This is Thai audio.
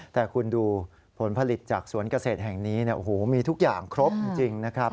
แต่คุณดูผลผลิตจากสวนเกษตรแห่งนี้มีทุกอย่างครบจริงนะครับ